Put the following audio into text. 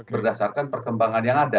berdasarkan perkembangan yang ada